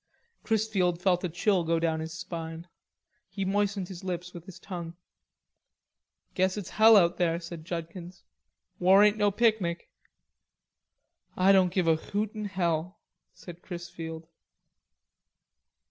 Chrisfield felt a chill go down his spine. He moistened his lips with his tongue. "Guess it's hell out there," said Judkins. "War ain't no picnic." "Ah doan give a hoot in hell," said Chrisfield.